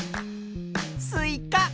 スイカ。